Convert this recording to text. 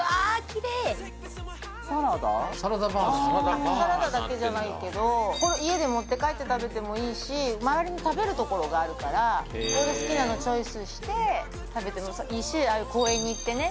あサラダだけじゃないけどこれ家に持って帰って食べてもいいし周りに食べる所があるから色々好きなのチョイスして食べてもいいしああいう公園に行ってね